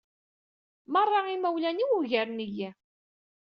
Meṛṛa imawlan-iw ugaren-iyi.